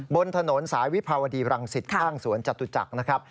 บนถนนสายวิภาวดีรังสิตข้างสวนจตุจักรนะครับ